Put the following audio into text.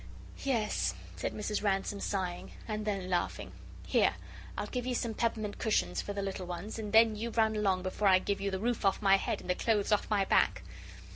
"Yes," said Mrs. Ransome, sighing, and then laughing; "here, I'll give you some peppermint cushions for the little ones, and then you run along before I give you the roof off my head and the clothes off my back."